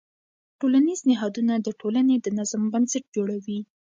ټولنیز نهادونه د ټولنې د نظم بنسټ جوړوي.